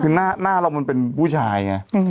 คือหน้าเราเป็นผู้ชาย